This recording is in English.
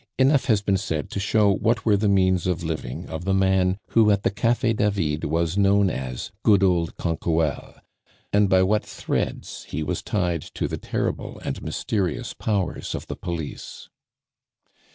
Enough has been said to show what were the means of living of the man who at the Cafe David was known as good old Canquoelle, and by what threads he was tied to the terrible and mysterious powers of the police.